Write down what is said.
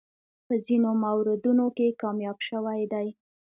په ځینو موردونو کې کامیاب شوی دی.